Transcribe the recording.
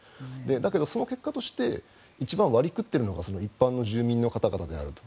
だけど、その結果として一番、割を食っているのが一般の住民の方々であると。